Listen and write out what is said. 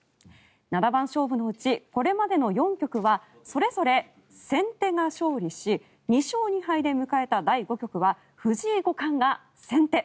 七番勝負のうちこれまでの４局はそれぞれ先手が勝利し２勝２敗で迎えた第５局は藤井五冠が先手。